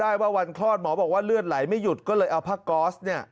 ได้ว่าวันคลอดหมอบอกว่าเลือดไหลไม่หยุดก็เลยเอาผ้าก๊อสเนี่ย